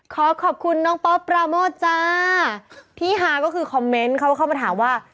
ขอขอบคุณน้องป๊อปปราโมทจ้าที่ฮาก็คือคอมเมนต์เขาก็เข้ามาถามว่า